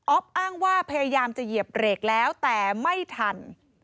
อ้างว่าพยายามจะเหยียบเบรกแล้วแต่ไม่ทัน